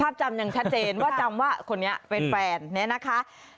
จำยังชัดเจนว่าจำว่าคนนี้เป็นแฟนเนี่ยนะคะ